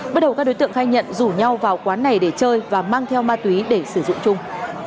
bước đầu các đối tượng khai nhận rủ nhau vào quán này để chơi và mang theo ma túy để sử dụng chung